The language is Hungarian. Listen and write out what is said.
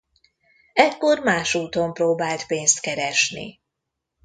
Ekkor más úton próbált pénzt keresni.